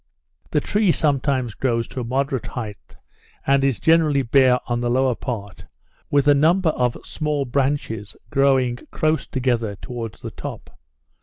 The tree sometimes grows to a moderate height, and is generally bare on the lower part, with a number of small branches growing close together towards the top.